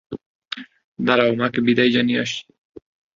দাঁড়াও, মাকে বিদায় জানিয়ে আসছি।